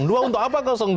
untuk apa dua